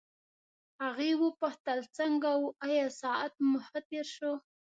هغې وپوښتل څنګه وو آیا ساعت مو ښه تېر شو.